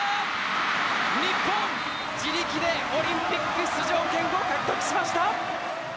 日本、自力でオリンピック出場権を獲得しました！